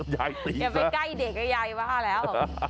อย่าไปใกล้เด็กยายมาแล้ว